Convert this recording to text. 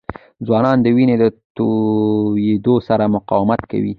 ځوانان د وینې د تویېدو سره مقاومت کوي.